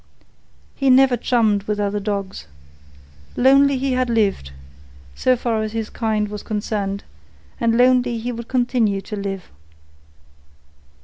He never chummed with other dogs. Lonely he had lived, so far as his kind was concerned, and lonely he would continue to live.